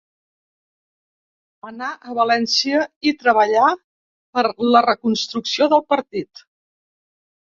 Anà a València i treballà per la reconstrucció del partit.